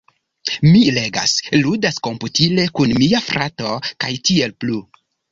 mi legas, ludas komputile kun mia frato, kaj tiel plu.